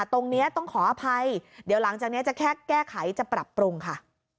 ตรงนี้ต้องขออภัยเดี๋ยวหลังจากนี้จะแค่แก้ไขจะปรับปรุงค่ะ